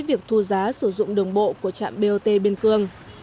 việc thu giá sử dụng đường bộ của trạm bot biên cương